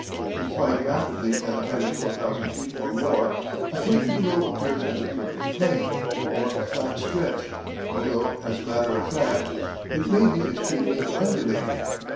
When flying rapidly at a height of 4,000 feet or more, the country below appears as a perfect plane, or flat stretch, although as a matter of fact it may be extremely undulating.